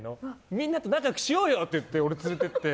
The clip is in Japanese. みんなと仲良くしようよ！って言って俺連れて行って。